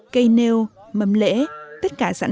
cây nêu mâm lễ tất cả sẵn sàng